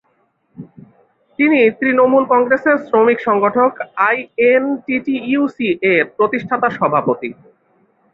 তিনি তৃণমূল কংগ্রেসের শ্রমিক সংগঠক আইএনটিটিইউসি-র প্রতিষ্ঠাতা সভাপতি।